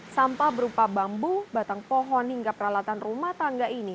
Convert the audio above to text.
sampah berupa bambu batang pohon hingga peralatan rumah tangga ini